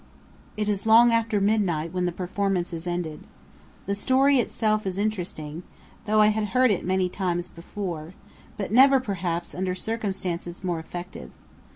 It is long after midnight when the performance is ended. The story itself is interesting, though I had heard it many times before; but never, perhaps, under circumstances more effective.